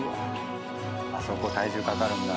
あそこ体重かかるんだ。